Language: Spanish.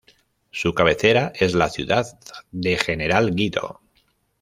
Su cabecera es la ciudad de General Guido.